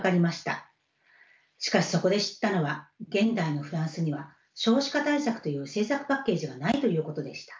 しかしそこで知ったのは現代のフランスには少子化対策という政策パッケージがないということでした。